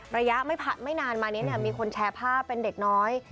ระยะไม่ผัดไม่นานมานี้มีคนแชร์ภาพเป็นเด็กน้อย